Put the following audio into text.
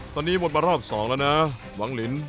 ตอนนี้หมดมารอบ๒แล้วนะหวังลิน